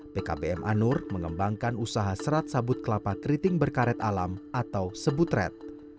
pkbm anur mengembangkan usaha serat sabut kelapa keriting berkaret alam atau sebutret